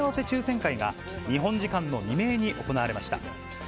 抽せん会が、日本時間の未明に行われました。